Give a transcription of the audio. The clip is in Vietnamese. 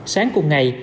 sáng cùng ngày